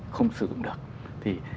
không sử dụng được thì